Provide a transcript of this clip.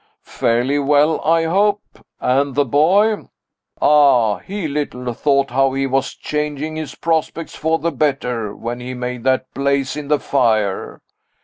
"Fairly well I hope? And the boy? Ah, he little thought how he was changing his prospects for the better, when he made that blaze in the fire!